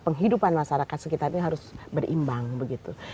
penghidupan masyarakat sekitarnya harus berimbang begitu